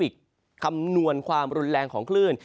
คำนวณความรุนแรงของคลื่น